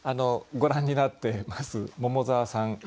ご覧になってまず桃沢さん